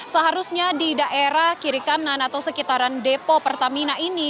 seharusnya di daerah kiri kanan atau sekitaran depo pertamina ini